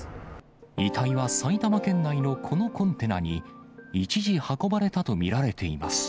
遺体は埼玉県内のこのコンテナに、一時運ばれたと見られています。